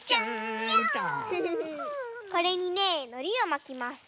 これにねのりをまきます。